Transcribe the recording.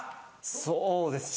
そうですね